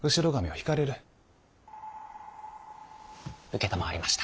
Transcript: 承りました。